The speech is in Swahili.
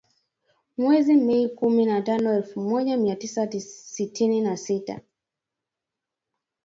Mwezi Mei kumi na tano elfu moja mia tisa sitini na sita